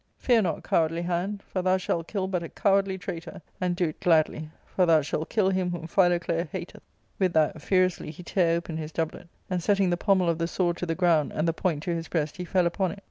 Fear not, cowardly hand, for thou shalt kill but a cowardly traitor ; and do it gladly, for thou shalt kill him whom Philoclea hateth." With that furiously he tare open his doublet, and setting the pommel of the sword to the ground and the point to his breast, he fell upon it.